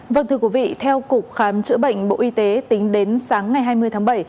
vâng thưa quý vị theo cục khám chữa bệnh bộ y tế tính đến sáng ngày hai mươi tháng bảy